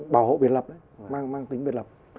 bảo hộ biệt lập mang tính biệt lập